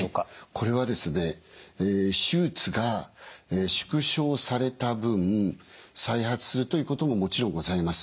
これはですね手術が縮小された分再発するということももちろんございます。